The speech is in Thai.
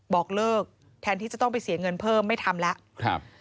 บอกเลิกแทนที่จะต้องไปเสียเงินเพิ่มไม่ทำแล้วครับ